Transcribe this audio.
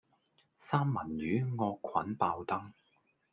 三文魚惡菌爆燈